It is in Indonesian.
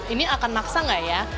ini akan maksa gak ya